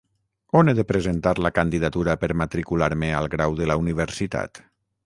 On he de presentar la candidatura per matricular-me al grau de la universitat?